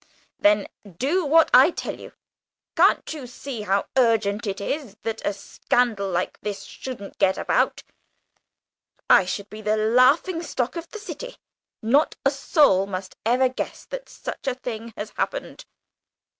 "Then do what I tell you. Can't you see how urgent it is that a scandal like this shouldn't get about? I should be the laughing stock of the city. Not a soul must ever guess that such a thing has happened.